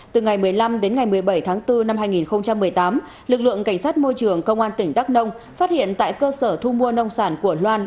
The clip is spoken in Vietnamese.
từ ngày một mươi năm đến ngày một mươi bảy tháng bốn năm hai nghìn một mươi tám lực lượng cảnh sát môi trường công an tỉnh đắk nông phát hiện tại cơ sở thu mua nông sản của loan